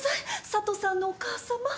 佐都さんのお母さま。